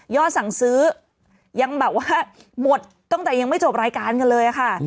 สั่งซื้อยังแบบว่าหมดตั้งแต่ยังไม่จบรายการกันเลยค่ะ